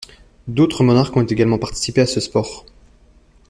D'autres monarques ont également participé à ce sport.